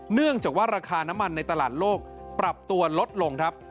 เนื่องจากว่าราคาน้ำมันในตลาดโลกปรับตัวลดลงครับ